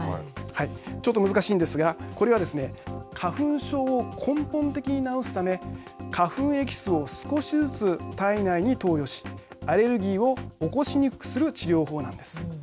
ちょっと難しいんですがこれはですね花粉症を根本的に直すため花粉エキスを少しずつ体内に投与しアレルギーを起こしにくくする治療法なんです。